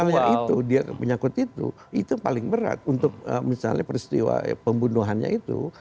kalau misalnya itu dia menyakut itu itu paling berat untuk misalnya peristiwa pembunuhannya itu